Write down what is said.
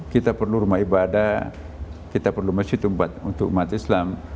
kita perlu rumah ibadah kita perlu masjid umpat untuk umat islam